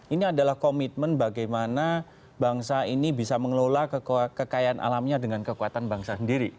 ini adalah komitmen bagaimana bangsa ini bisa mengelola kekayaan alamnya dengan kekuasaannya